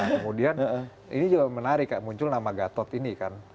kemudian ini juga menarik kayak muncul nama gatot ini kan